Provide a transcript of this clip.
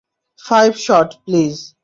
Five shot, please.